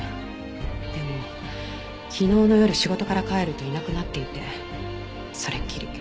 でも昨日の夜仕事から帰るといなくなっていてそれっきり。